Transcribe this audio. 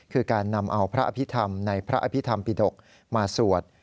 คือการนำเอาพระอภิษฐรรมในพระอภิษฐรรมปิดกมาสวด